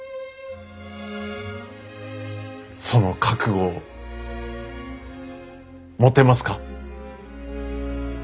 その覚悟を持てますか？